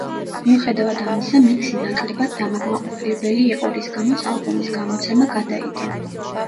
მიუხედავად ამისა, მიქსი ნაკლებად დამაკმაყოფილებელი იყო, რის გამოც ალბომის გამოცემა გადაიდო.